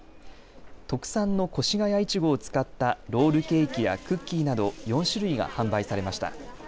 特産の越谷いちごを使ったロールケーキやクッキーなど４種類が販売されました。